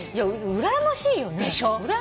うらやましいよね。でしょ。